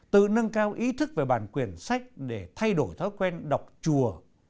tự nâng cao ý thức về bản quyền sách để thay đổi thói quen đọc chùa